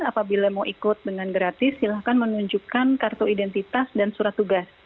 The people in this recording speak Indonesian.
apabila mau ikut dengan gratis silahkan menunjukkan kartu identitas dan surat tugas